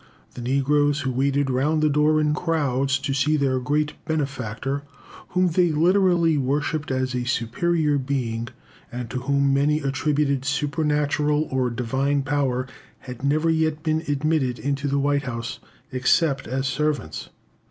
The negroes who waited round the door in crowds to see their great benefactor, whom they literally worshipped as a superior being, and to whom many attributed supernatural or divine power had never yet been admitted into the White House, except as servants.